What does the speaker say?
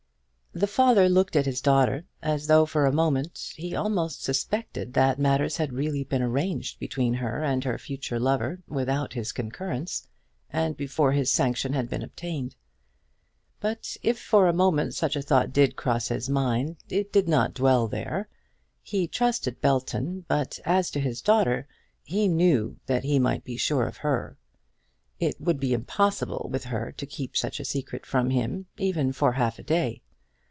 The father looked at his daughter as though for a moment he almost suspected that matters had really been arranged between her and her future lover without his concurrence, and before his sanction had been obtained. But if for a moment such a thought did cross his mind, it did not dwell there. He trusted Belton; but as to his daughter, he knew that he might be sure of her. It would be impossible with her to keep such a secret from him, even for half a day.